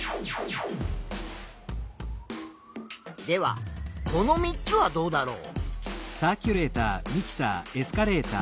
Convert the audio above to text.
ではこの３つはどうだろう？